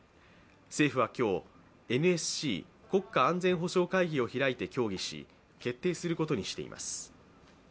政府は今日、ＮＳＣ＝国家安全保障会議を開いて協議し、決定することにしています。